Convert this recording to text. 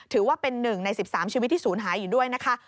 ถือว่าเป็น๑ใน๑๓ชีวิตที่ศูนย์หายอยู่ด้วยนะคะ